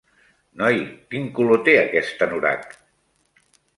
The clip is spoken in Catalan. Noi, quin color té aquest anorac?